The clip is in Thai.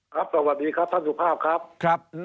สวัสดีครับท่านสุภาพครับ